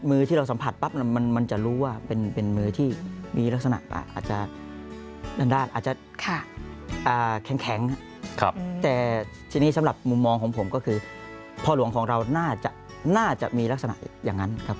ที่เราสัมผัสปั๊บมันจะรู้ว่าเป็นมือที่มีลักษณะอาจจะด้านอาจจะแข็งแต่ทีนี้สำหรับมุมมองของผมก็คือพ่อหลวงของเราน่าจะมีลักษณะอย่างนั้นครับ